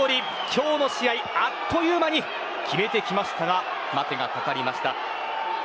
今日の試合あっという間に決めてきましたが待てがかかりました。